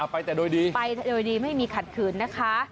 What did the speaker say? ไปแต่โดยดีไม่มีขัดขืนนะคะ